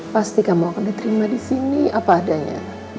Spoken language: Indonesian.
pasti kamu akan diterima di sini apa adanya